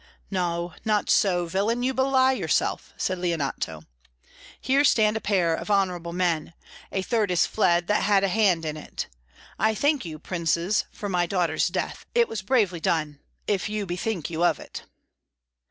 "No, not so, villain; you belie yourself," said Leonato. "Here stand a pair of honourable men; a third is fled that had a hand in it. I thank you, Princes, for my daughter's death: it was bravely done, if you bethink you of it."